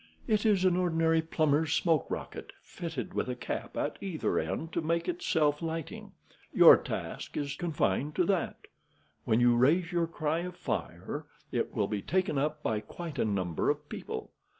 "It is an ordinary plumber's smoke rocket, fitted with a cap at either end, to make it self lighting. Your task is confined to that. When you raise your cry of fire, it will be taken up by quite a number of people.